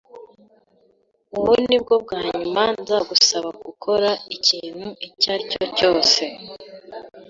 Ubu ni bwo bwa nyuma nzagusaba gukora ikintu icyo ari cyo cyose